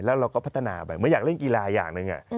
แล้วเราก็พัฒนาไปไม่อยากเล่นกีฬาอย่างหนึ่ง